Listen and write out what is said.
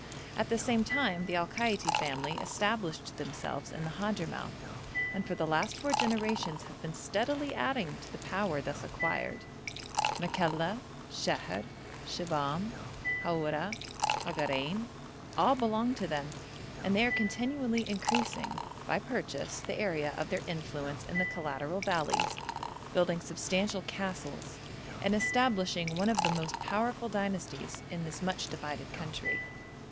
At the same time the Al Kaiti family established themselves in the Hadhramout, and for the last four generations have been steadily adding to the power thus acquired. Makalla, Sheher, Shibahm, Haura, Hagarein, all belong to them, and they are continually increasing, by purchase, the area of their influence in the collateral valleys, building substantial castles, and establishing one of the most powerful dynasties in this much divided country.